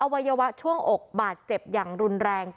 วัยวะช่วงอกบาดเจ็บอย่างรุนแรง